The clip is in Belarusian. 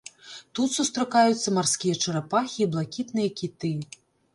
Тут сустракаюцца марскія чарапахі і блакітныя кіты.